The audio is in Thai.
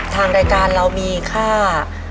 ทางรายการเรามีค่า